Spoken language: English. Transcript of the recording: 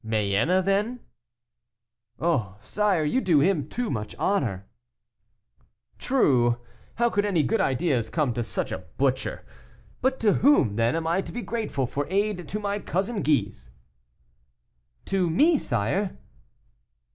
"Mayenne, then?" "Oh! sire, you do him too much honor." "True, how could any good ideas come to such a butcher? But to whom, then, am I to be grateful for aid to my cousin Guise?" "To me, sire."